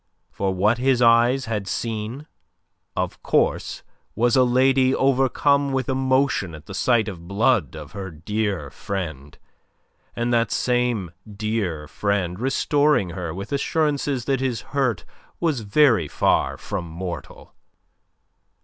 For what his eyes had seen, of course, was a lady overcome with emotion at the sight of blood of her dear friend, and that same dear friend restoring her with assurances that his hurt was very far from mortal.